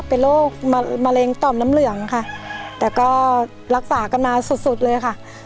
เป็นโรคมะเร็งต่อมน้ำเหลืองค่ะแต่ก็รักษากันมาสุดสุดเลยค่ะ